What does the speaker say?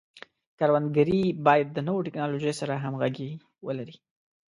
کروندګري باید د نوو ټکنالوژیو سره همغږي ولري.